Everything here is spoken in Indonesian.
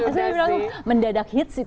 saya bilang mendadak hits sih